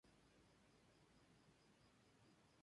Además de cantante, se ha convertido en diseñadora de ropa.